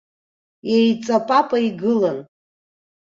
Еиҵапапа игылан.